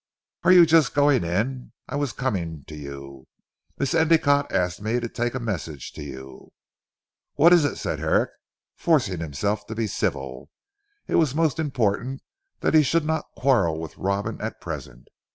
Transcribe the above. "Are you just going in? I was coming to you. Miss Endicotte asked me to take a message to you." "What is it?" said Herrick forcing himself to be civil. It was most important that he should not quarrel with Robin at present.